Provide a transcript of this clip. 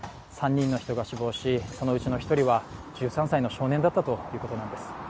３人の人が死亡し、そのうちの１人は１３歳の少年だったということなんです。